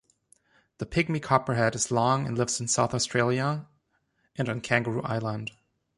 The pygmy copperhead is long, and lives in South Australia and on Kangaroo Island.